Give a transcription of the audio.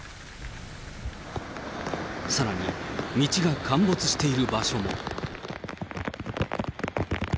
さらに、道が陥没している場所も。